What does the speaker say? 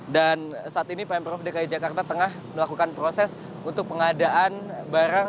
dan saat ini pemprov dki jakarta tengah melakukan proses untuk pengadaan barang